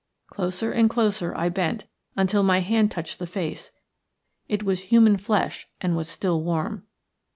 Closer and closer I bent until my hand touched the face. It was human flesh and was still warm.